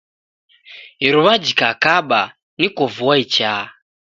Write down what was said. Iruw'a jikakaba niko vua ichaa.